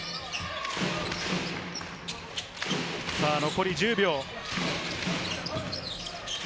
残り１０秒。